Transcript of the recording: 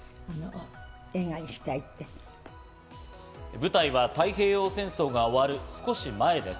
舞台は太平洋戦争が終わる少し前です。